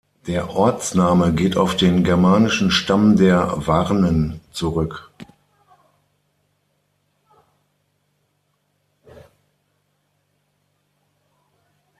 Der Ortsname geht auf den germanischen Stamm der Warnen zurück.